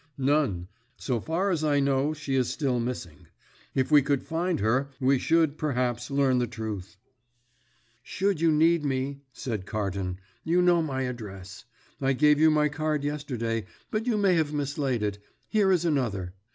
"None. So far as I know, she is still missing. If we could find her we should, perhaps, learn the truth." "Should you need me," said Carton, "you know my address. I gave you my card yesterday, but you may have mislaid it. Here is another.